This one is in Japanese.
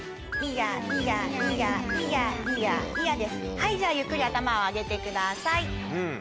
はいじゃあゆっくり頭を上げてください。